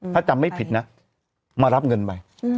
ถ้าจำไม่ผิดนะมารับเงินไป